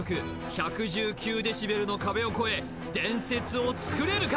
１１９デシベルの壁を越え伝説をつくれるか？